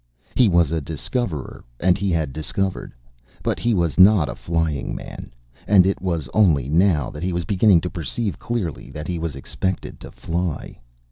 He was a Discoverer and he had Discovered. But he was not a Flying Man, and it was only now that he was beginning to perceive clearly that he was expected to fly.